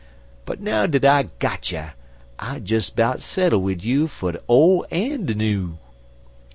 But now dat I got you, I'll des 'bout settle wid you fer de ole en de new.'